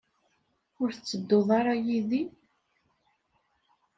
Ur tettedduḍ ara yid-i?